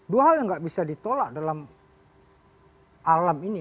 dua hal yang nggak bisa ditolak dalam alam ini